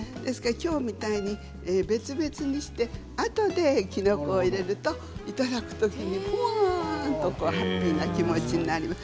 きょうのように別々にしてあとで、きのこを入れるといただくときにほわっとハッピーな気持ちになります。